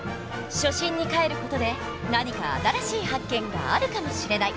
初心にかえる事で何か新しい発見があるかもしれない！